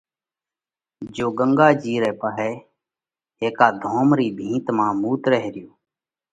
جيو ڳنڳا جِي رئہ پاهئہ هيڪا ڌوم رِي ڀِت مانه مُوترئه ريو۔